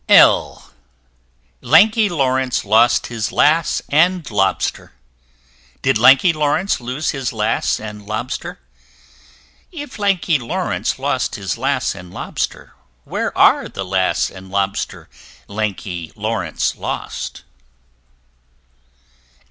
L l [Illustration: Lanky Lawrence] Lanky Lawrence lost his Lass and Lobster: Did Lanky Lawrence lose his Lass and Lobster? If Lanky Lawrence lost his Lass and Lobster, Where are the Lass and Lobster Lanky Lawrence lost?